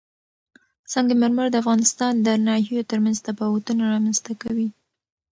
سنگ مرمر د افغانستان د ناحیو ترمنځ تفاوتونه رامنځ ته کوي.